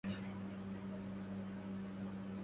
لقد قُلتُ لكَ ما أعرف.